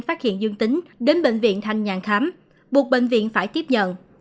phát hiện dân tính đến bệnh viện thanh nhang khám buộc bệnh viện phải tiếp nhận